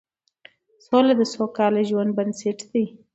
سوله د سوکاله ژوند بنسټ دی